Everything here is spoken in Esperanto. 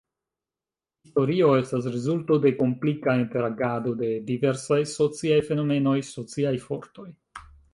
Historio estas rezulto de komplika interagado de diversaj sociaj fenomenoj, sociaj fortoj.